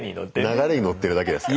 流れに乗ってるだけですから。